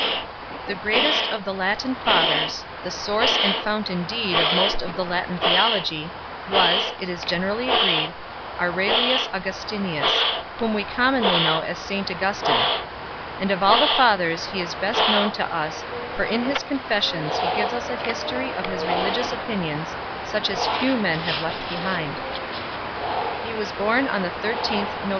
The greatest of the Latin Fathers, the source and I fount indeed of most of the Latin theology, was, it is generally agreed, Aurelius Augustinus, whom we com monly know as St "Augustin 1 . And of all the Fathers he is best known to us, for in his Confessions he gives us a history of his religious opinions such as few men have left behind. He was born on the 13th Nov.